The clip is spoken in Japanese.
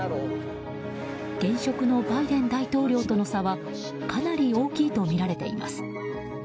現職のバイデン大統領との差はかなり大きいとみられています。